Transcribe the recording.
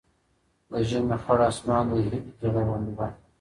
د ژمي خړ اسمان د هیلې د زړه غوندې و.